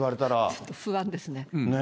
ちょっと不安ですね。